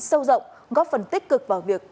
sâu rộng góp phần tích cực vào việc